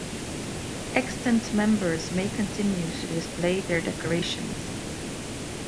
Extant members may continue to display their decorations.